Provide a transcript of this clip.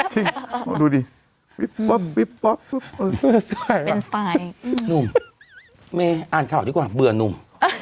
จริงดูดิเป็นสไตล์นุ่มไม่อ่านข่าวดีกว่าเบื่อนุ่ม